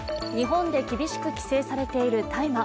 日本で厳しく規制されている大麻。